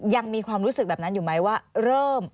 ยังมีความรู้สึกแบบนั้นอยู่ไหมว่าเริ่ม